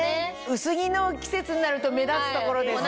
薄着の季節になると目立つ所ですよね。